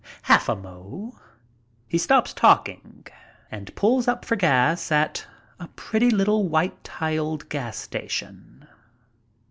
"Half a mo." He stops talking and pulls up for gas at a pretty little white tiled gas station.